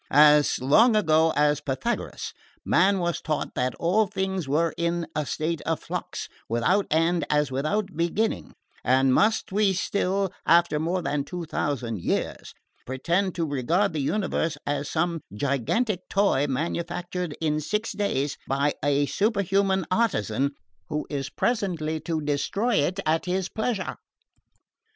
As long ago as Pythagoras, man was taught that all things were in a state of flux, without end as without beginning, and must we still, after more than two thousand years, pretend to regard the universe as some gigantic toy manufactured in six days by a Superhuman Artisan, who is presently to destroy it at his pleasure?"